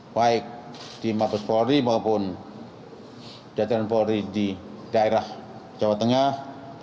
baik di mabes polri maupun jajaran polri di daerah jawa tengah